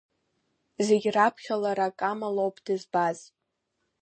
Зегь раԥхьа лара Кама лоуп дызбаз.